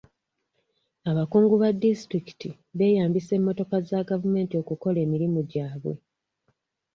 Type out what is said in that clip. Abakungu ba disitulikiti beeyambisa emmotoka za gavumenti okukola emirimu gyabwe.